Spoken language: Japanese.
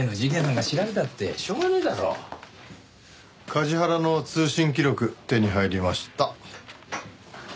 梶原の通信記録手に入りました。